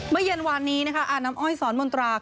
เมื่อเย็นวานนี้อานำอ้อยสอนมณตรา